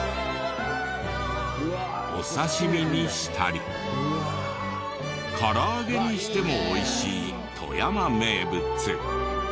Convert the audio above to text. お刺し身にしたり唐揚げにしても美味しい富山名物。